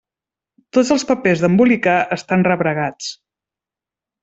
Tots els papers d'embolicar estan rebregats.